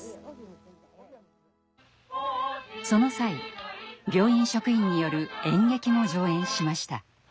その際病院職員による演劇も上演しました。